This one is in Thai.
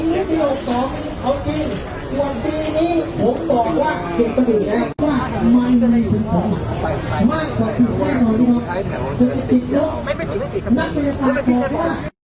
ตอนนี้ผมบอกว่าเก็บประสิทธิ์แหละว่าไม่มีประสิทธิ์แหละไม่มีประสิทธิ์แหละถึงติดแล้วนักศึกษาบอกว่า